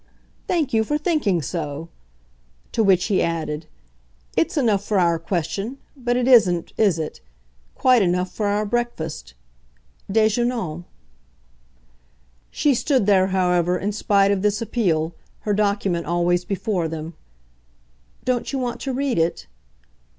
"Thank you for thinking so!" To which he added "It's enough for our question, but it isn't is it? quite enough for our breakfast? Dejeunons." She stood there, however, in spite of this appeal, her document always before them. "Don't you want to read it?"